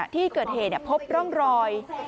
ที่เกิดเหตุพบร่องรอย